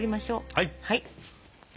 はい！